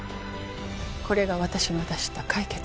これが私の出した解決策。